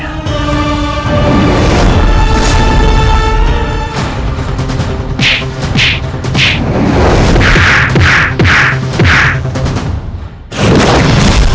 aku tidak bisa melakukannya